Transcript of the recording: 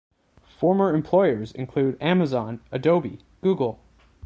Former employers include Amazon, Adobe, Google.